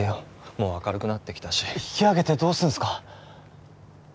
もう明るくなってきたし引き揚げてどうするんですか？